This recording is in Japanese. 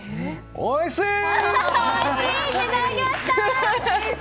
おいしいー！